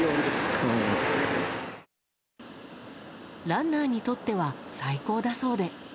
ランナーにとっては最高だそうで。